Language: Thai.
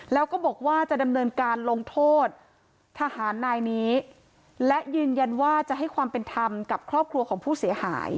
แล้วก็บอกว่าจะดำเนินการลงโทษทหารนายนี้และยืนยันว่าจะให้ความเป็นธรรมกับครอบครัวของผู้เสียหาย